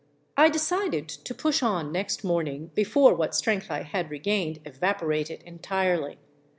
I decided to push on next morning, before what strength I had regained evap orated entirely.